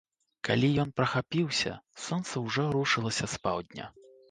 Калі ён прахапіўся, сонца ўжо рушыла з паўдня.